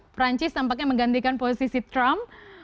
perancis tampaknya menggantikan posisi trump